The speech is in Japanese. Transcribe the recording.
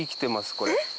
これ。